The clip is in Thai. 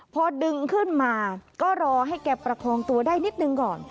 พอดึงขึ้นมาก็รอให้แกประคองตัวได้นิดนึงก่อน